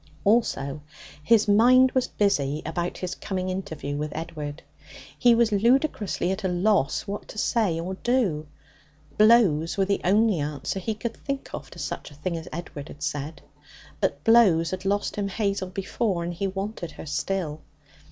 Also, his mind was busy about his coming interview with Edward. He was ludicrously at a loss what to say or do. Blows were the only answer he could think of to such a thing as Edward had said. But blows had lost him Hazel before, and he wanted her still.